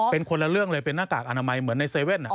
เป็นคนละเรื่องเลยเป็นหน้ากากอนามัยเหมือนใน๗๑๑